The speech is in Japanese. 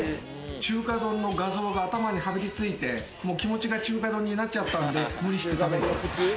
中華丼の画像が頭に張り付いて気持ちが中華丼になっちゃったんで、無理して食べに来た。